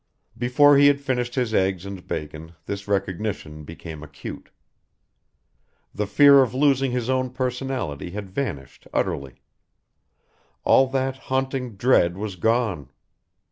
Before he had finished his eggs and bacon this recognition became acute. The fear of losing his own personality had vanished utterly; all that haunting dread was gone.